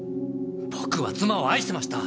僕は妻を愛してました！